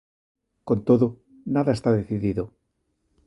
Con todo, nada está decidido.